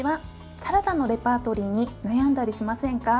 サラダのレパートリーに悩んだりしませんか？